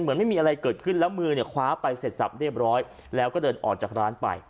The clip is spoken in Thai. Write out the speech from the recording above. เหมือนไม่มีอะไรเกิดขึ้นแล้วมือเนี่ยคว้าไปเสร็จสับเรียบร้อยแล้วก็เดินออกจากร้านไป